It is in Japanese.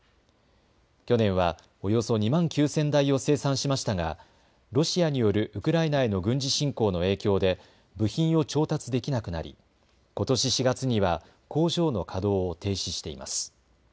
去年はおよそ２万９０００台を生産しましたがロシアによるウクライナへの軍事侵攻の影響で部品を調達できなくなりことし４月には工場の稼働を停止しています。